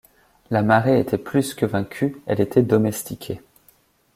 La marée était plus que vaincue, elle était domestiquée.